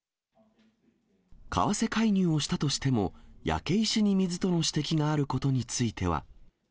為替介入をしたとしても焼け石に水との指摘があることについては。